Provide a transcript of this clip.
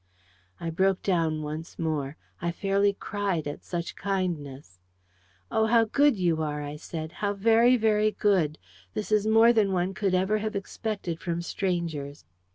I broke down once more. I fairly cried at such kindness. "Oh, how good you are!" I said. "How very, very good. This is more than one could ever have expected from strangers."